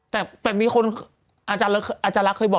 แต่มีคนอาจารย์รักเคยบอก